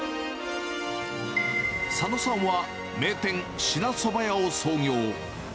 佐野さんは名店、しなそばやを創業。